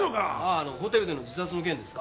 あのホテルでの自殺の件ですか？